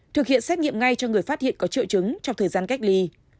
thực hiện xét nghiệm ngay cho người phát hiện có triệu chứng trong thời gian cách ly